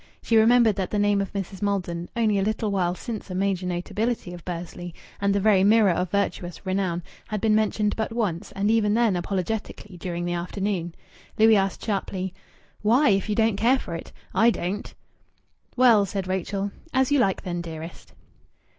She remembered that the name of Mrs. Maldon, only a little while since a major notability of Bursley and the very mirror of virtuous renown, had been mentioned but once, and even then apologetically, during the afternoon. Louis asked, sharply "Why, if you don't care for it? I don't." "Well " said Rachel. "As you like, then, dearest."